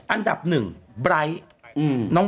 อันดับหนึ่ง